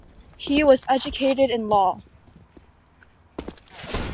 He was educated in law.